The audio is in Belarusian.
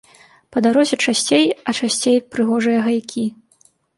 Па дарозе часцей а часцей прыгожыя гайкі.